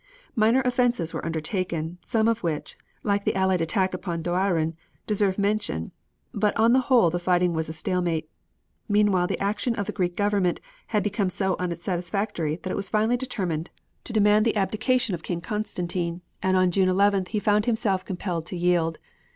Minor offensives were undertaken, some of which, like the Allied attack upon Doiran, deserve mention, but on the whole the fighting was a stalemate. Meanwhile the action of the Greek Government had become so unsatisfactory that it was finally determined to demand the abdication of King Constantine, and on June 11th he found himself compelled to yield.